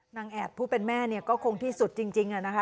แอดผู้เป็นแม่เนี่ยก็คงที่สุดจริงนะคะ